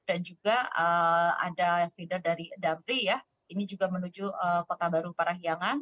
dan juga ada feeder dari damri ya ini juga menuju kota baru parahyangan